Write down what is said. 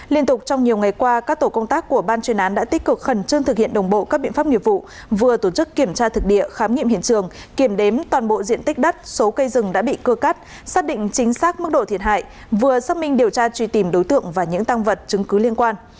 liên tục trong nhiều ngày qua các tổ công tác của ban chuyên án đã tích cực khẩn trương thực hiện đồng bộ các biện pháp nghiệp vụ vừa tổ chức kiểm tra thực địa khám nghiệm hiện trường kiểm đếm toàn bộ diện tích đất số cây rừng đã bị cưa cắt xác định chính xác mức độ thiệt hại vừa xác minh điều tra truy tìm đối tượng và những tăng vật chứng cứ liên quan